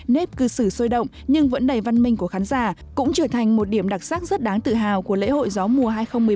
nếp cư sử sôi động nhưng vẫn đầy văn minh của khán giả cũng trở thành một điểm đặc sắc rất đáng tự hào của lễ hội gió mùa hai nghìn một mươi bốn